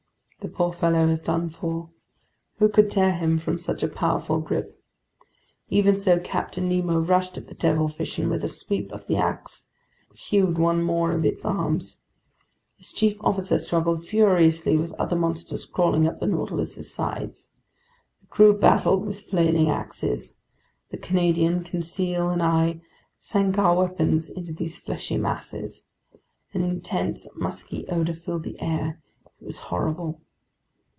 The poor fellow was done for. Who could tear him from such a powerful grip? Even so, Captain Nemo rushed at the devilfish and with a sweep of the ax hewed one more of its arms. His chief officer struggled furiously with other monsters crawling up the Nautilus's sides. The crew battled with flailing axes. The Canadian, Conseil, and I sank our weapons into these fleshy masses. An intense, musky odor filled the air. It was horrible.